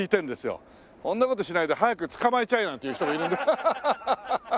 そんな事しないで早く捕まえちゃえなんて言う人もいる。